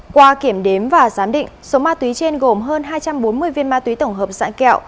qua kiểm đếm và giám định số ma túy trên gồm hơn hai trăm bốn mươi viên ma túy tổng hợp dạng kẹo